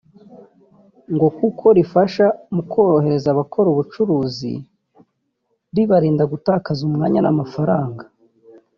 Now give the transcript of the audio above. ngo kuko rifasha mu korohereza abakora ubucuruzi ribarinda gutakaza umwanya n’amafaranga